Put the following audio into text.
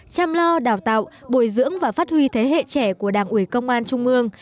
chăm lo đào tạo bồi dưỡng và phát huy thế hệ trẻ của đảng ủy công an trung ương